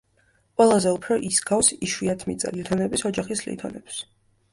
ყველაზე უფრო ის გავს იშვიათმიწა ლითონების ოჯახის ლითონებს.